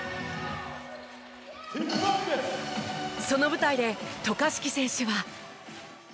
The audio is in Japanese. その舞台で渡嘉敷選手は。